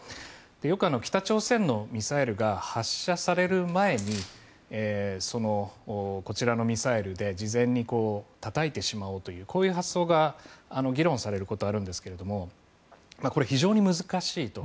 よく北朝鮮のミサイルが発射される前にこちらのミサイルで事前にたたいてしまおうというこういう発想が議論されることはあるんですがこれは非常に難しいと。